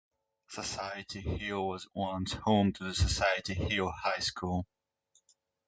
Society Hill was once home to the Society Hill High School.